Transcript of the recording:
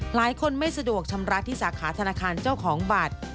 หลายคนไม่สะดวกชำระที่สาขาธนาคารเจ้าของบัตร